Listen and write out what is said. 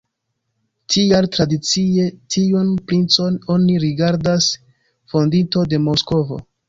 Tial tradicie tiun princon oni rigardas fondinto de Moskvo.